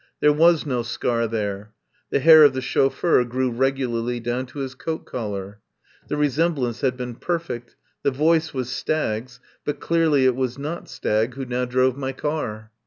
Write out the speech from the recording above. There was no scar there; the hair of the chauffeur grew regularly down to his coat collar. The re semblance had been perfect, the voice was Stagg's, but clearly it was not Stagg who now drove my car.